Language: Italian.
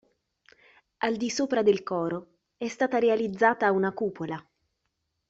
Al di sopra del coro è stata realizzata una cupola.